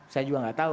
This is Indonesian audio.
saya juga enggak tahu